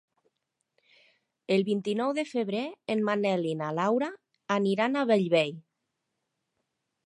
El vint-i-nou de febrer en Manel i na Laura iran a Bellvei.